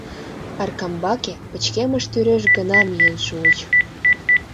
Аркамбаке пычкемыш тӱреш гына миен шуыч.